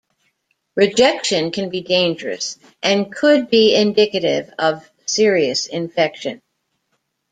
Rejection can be dangerous and could be indicative of serious infection.